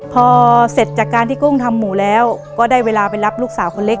พอเสร็จจากการที่กุ้งทำหมูแล้วก็ได้เวลาไปรับลูกสาวคนเล็ก